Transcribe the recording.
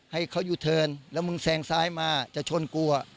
ให้เขายูเทิร์นแล้วมึงแซงซ้ายมาจะชนกู